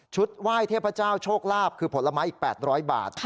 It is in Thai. ไหว้เทพเจ้าโชคลาภคือผลไม้อีก๘๐๐บาท